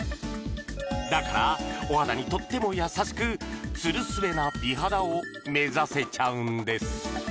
だからお肌にとっても優しくツルスベな美肌を目指せちゃうんです